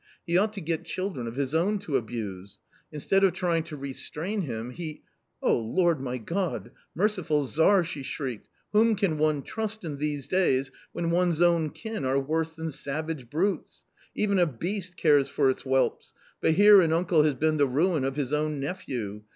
" He ought to get children of his own to abuse ! Instead of trying to restrain him, he .... Oh Lord my God, merciful Tzar !" she shrieked, " whom can one trust in these days when one's own kin are worse than savage brutes ? Even a beast cares for its whelps, but here an uncle has been the ruin of his own nephew